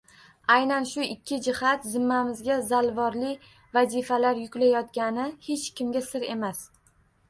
Aynan, shu ikki jihat zimmamizga zalvorli vazifalar yuklayotgani hech kimga sir emas.